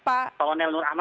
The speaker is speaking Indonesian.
pak kolonel nur ahmad